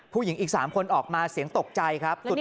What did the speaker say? ผู้หญิงอีก๓คนออกมาเสียงตกใจครับ